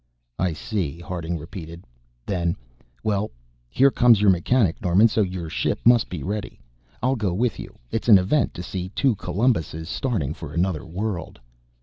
"I see," Harding repeated. Then "Well, here comes your mechanic, Norman, so your ship must be ready. I'll go with you. It's an event to see two Columbuses starting for another world."